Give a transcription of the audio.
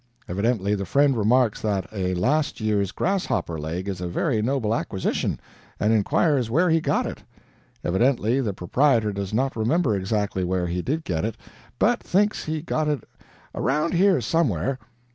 Evidently the friend remarks that a last year's grasshopper leg is a very noble acquisition, and inquires where he got it. Evidently the proprietor does not remember exactly where he did get it, but thinks he got it "around here somewhere."